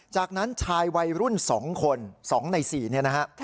จากนั้นชายวัยรุ่น๒คน๒ใน๔เนี่ยนะฮะ